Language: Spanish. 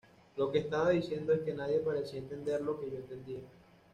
Lo que estaba diciendo es que nadie parecía entender lo que yo entendía.